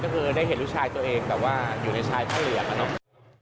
ก็คือได้เห็นรู้ชายตัวเองแต่ว่าอยู่ในชายเท่าเหลืออะนึกไหม